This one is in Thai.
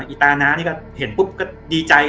อีตาน้านี่ก็เห็นปุ๊บก็ดีใจ